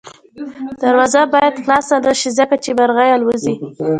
دروازه باید خلاصه نه شي ځکه چې مرغۍ الوځي.